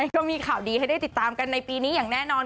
ก็มีข่าวดีให้ได้ติดตามกันในปีนี้อย่างแน่นอน